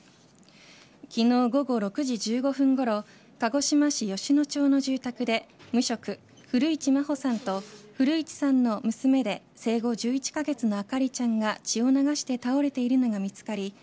昨日午後６時１５分ごろ鹿児島市吉野町の住宅で無職・古市真穂さんと古市さんの娘で生後１１カ月の明里ちゃんが血を流して倒れているのが見つかり